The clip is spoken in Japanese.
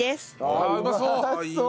あうまそう！